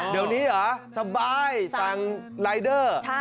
เดี๋ยวนี้เหรอสบายสั่งรายเดอร์